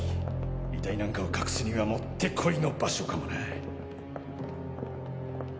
遺体なんかを隠すにはもってこいの場所かもな。